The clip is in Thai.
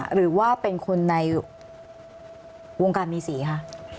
หรือว่าเป็นคนในวงการมีสีคะ